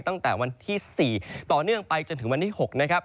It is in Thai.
ตั้งแต่วันที่๔ต่อเนื่องไปจนถึงวันที่๖นะครับ